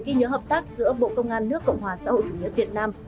giữa bộ công an nước cộng hòa xã hội chủ nghĩa việt nam